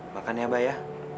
makan ya abah ya